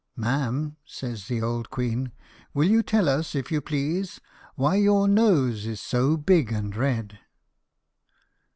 "Ma'am," says the old queen, "will you tell us, if you please, why your nose is so big and red?"